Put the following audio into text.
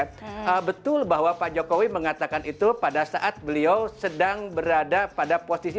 betul bahwa pak jokowi mengatakan itu pada saat beliau sedang berada pada posisi